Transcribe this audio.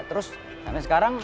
terus sampai sekarang